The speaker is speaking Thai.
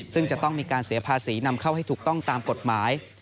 ซึ่งจะต้องมีการเสียภาษีนำเข้าให้ถูกต้องตามกฎหมาย